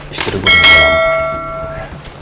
istri gue udah mau ke rumah